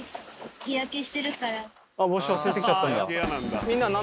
帽子忘れてきちゃったんだ。